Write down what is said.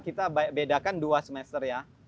kita bedakan dua semester ya